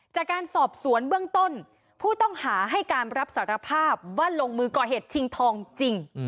จากการสอบสวนเบื้องต้นผู้ต้องหาให้การรับสารภาพว่าลงมือก่อเหตุชิงทองจริง